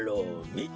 みて？